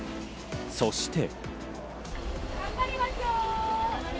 そして。